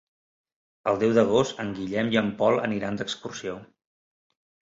El deu d'agost en Guillem i en Pol aniran d'excursió.